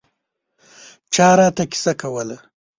چا راته کیسه کوله.